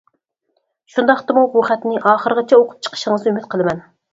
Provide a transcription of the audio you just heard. شۇنداقتىمۇ بۇ خەتنى ئاخىرىغىچە ئوقۇپ چىقىشىڭىزنى ئۈمىد قىلىمەن.